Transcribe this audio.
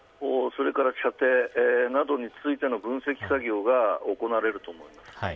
それから射程などについての分析作業が行われると思います。